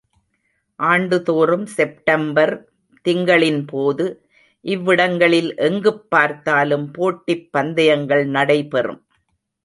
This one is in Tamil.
ஆண்டுதோறும் செப்டம்பர் திங்களின்போது இவ்விடங்களில் எங்குப் பார்த்தாலும் போட்டிப் பந்தயங்கள் நடைபெறும்.